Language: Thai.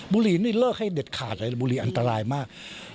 บุรีนี่เลิกให้เด็ดขาดเลยบุรีอันตรายมาก